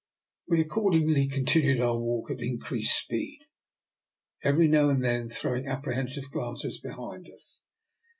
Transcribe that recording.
We accordingly continued our walk at increased speed, every now and then throw ing apprehensive glances behind us.